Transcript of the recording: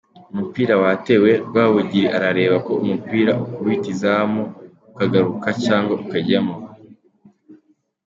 Umupira watewe, Rwabugiri arareba ko umupira ukubita izamu ukagaruka cyangwa ukajyamo.